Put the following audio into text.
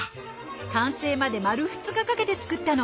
完成まで丸２日かけて作ったの。